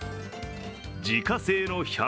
自家製の１００％